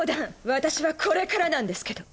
私はこれからなんですけど。